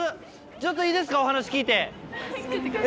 ちょっといいですかお話聞いて。